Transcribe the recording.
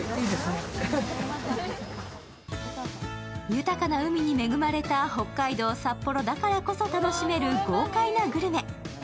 豊かな海に恵まれた北海道札幌だからこそ楽しめる豪快なグルメ。